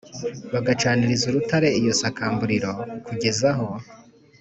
bagacaniriza urutare iyo sakamburiro kugeza aho